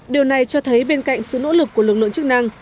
điều này cho thấy bên cạnh sự nỗ lực của lực lượng chức năng